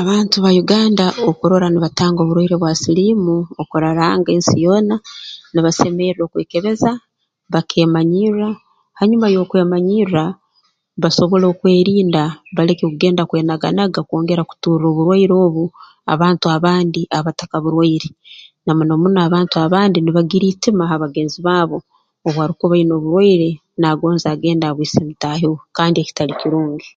Abantu ba Uganda okurora nibatanga oburwaire bwa siliimu okuraranga ensi yoona nibasemerra okwekebeza bakemanyirra hanyuma y'okwemanyirra basobole okwerinda baleke okugenda okwenanaga kwongera kuturra oburwaire obu abantu abandi abatakaburwaire na muno muno abantu abandi nibagira itima ha bagenzi baabo obu arukuba aine oburwaire naagonza agende abwise mutaahi we kandi ekitali kirungi